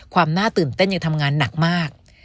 ความน่าตื่นเต้นยังทำงานหนักมาก